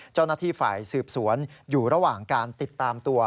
เจ้าหน้าที่ฝ่ายสืบสวนอยู่ระหว่างการติดตามตัว